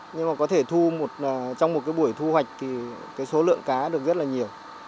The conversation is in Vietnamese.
nhưng mà có thể thu trong một cái buổi thu hoạch thì cái số lượng cá được rất là nhiều